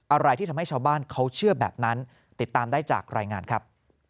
อะไรที่ทำให้ชาวบ้านเขาเชื่อแบบนั้นติดตามได้จากรายงานครับ